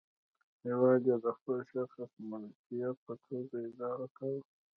هېواد یې د خپل شخصي ملکیت په توګه اداره کاوه.